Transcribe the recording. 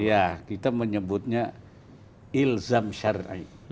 ya kita menyebutnya ilzam syari'i